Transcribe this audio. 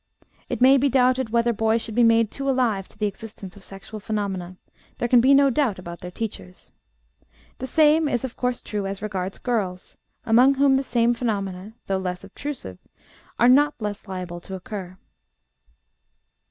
It may be doubted whether boys should be made too alive to the existence of sexual phenomena; there can be no doubt about their teachers. The same is, of course, true as regards girls, among whom the same phenomena, though less obtrusive, are not less liable to occur.